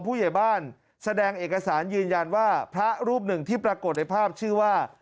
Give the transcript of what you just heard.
ผู้ใหญ่บ้านแสดงเอกสารยืนยันว่าพระรูปหนึ่งที่ปรากฏในภาพชื่อว่า